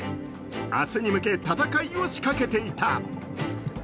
明日に向け、戦いを仕掛けていた。